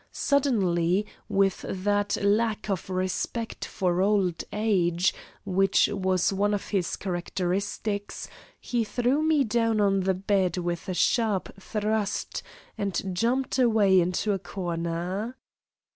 Suddenly, with that lack of respect for old age which was one of his characteristics, he threw me down on the bed with a sharp thrust and jumped away into a corner.